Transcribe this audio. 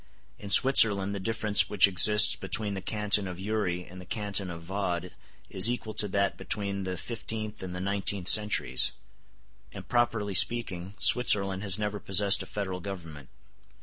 In Switzerland the difference which exists between the Canton of Uri and the Canton of Vaud is equal to that between the fifteenth and the nineteenth centuries; and, properly speaking, Switzerland has never possessed a federal government.